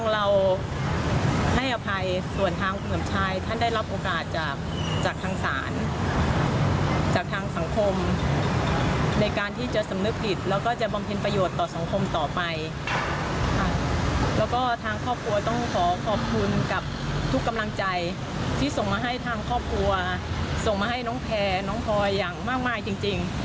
แล้วก็ทางครอบครัวต้องขอขอบคุณกับทุกกำลังใจที่ส่งมาให้ทางครอบครัวส่งมาให้น้องแพร่น้องพลอยอย่างมากจริง